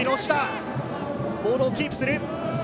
ボールをキープする。